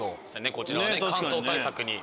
こちらは乾燥対策に。